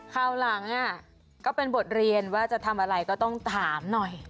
คราวหลังก็เป็นบทเรียนว่าจะทำอะไรก็ต้องถามหน่อย